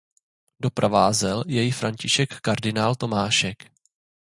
Doprovázel jej František kardinál Tomášek.